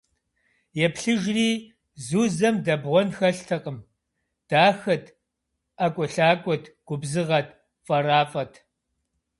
Еплъыжри - Зузэм дэбгъуэн хэлътэкъым: дахэт, ӏэкӏуэлъакӏуэт, губзыгъэт, фӏэрафӏэт!